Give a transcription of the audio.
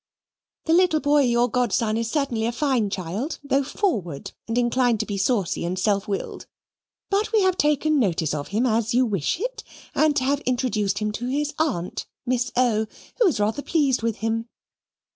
The little boy, your godson, is certainly a fine child, though forward, and inclined to be saucy and self willed. But we have taken notice of him as you wish it, and have introduced him to his aunt, Miss O., who was rather pleased with him.